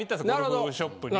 ゴルフショップに。